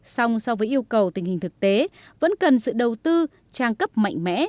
song so với yêu cầu tình hình thực tế vẫn cần sự đầu tư trang cấp mạnh mẽ